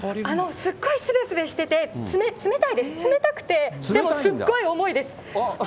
すっごいすべすべしてて、冷たいです、冷たくて、でもすっごい重いです。